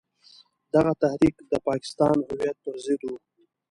دغه تحریک د پاکستان هویت پر ضد وو.